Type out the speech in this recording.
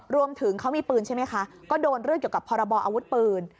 รวมถึงเขามีปืนใช่ไหมคะก็โดนเรื่องเกี่ยวกับพรบออาวุธปืน